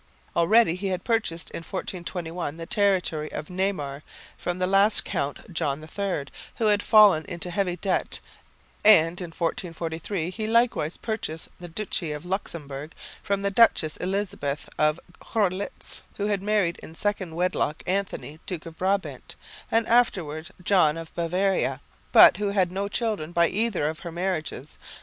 Already he had purchased in 1421 the territory of Namur from the last Count John III, who had fallen into heavy debt; and in 1443 he likewise purchased the duchy of Luxemburg from the Duchess Elizabeth of Görlitz, who had married in second wedlock Anthony, Duke of Brabant, and afterwards John of Bavaria, but who had no children by either of her marriages.